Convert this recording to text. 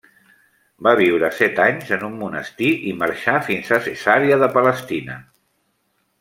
Va viure set anys en un monestir i marxà fins a Cesarea de Palestina.